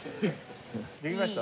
できました。